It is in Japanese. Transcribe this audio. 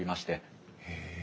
へえ。